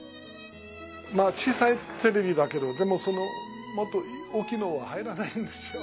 小さいテレビだけどでもそのもっと大きいのは入らないんですよ。